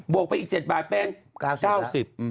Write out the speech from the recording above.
วกไปอีก๗บาทเป็น๙๐บาท